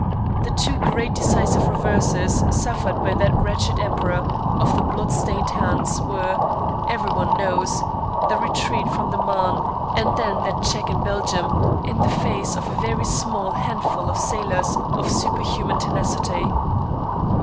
The two great decisive reverses suffered by that wretched Emperor of the blood stained hands were, everyone knows, the retreat from the Marne and then that check in Belgium, in the face of a very small handful of sailors of superhuman tenacity.